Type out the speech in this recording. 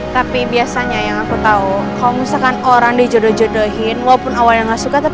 tapi biasanya yang aku tahu kalau misalkan orang dijodoh jodohin walaupun awalnya nggak suka